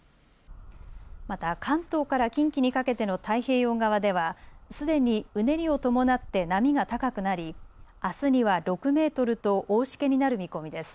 また関東から近畿にかけての太平洋側では、すでにうねりを伴って波が高くなりあすには６メートルと大しけになる見込みです。